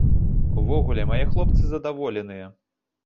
Увогуле, мае хлопцы задаволеныя.